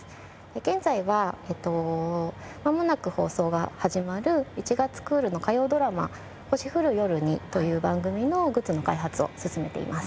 現在はまもなく放送が始まる１月クールの火曜ドラマ『星降る夜に』という番組のグッズの開発を進めています。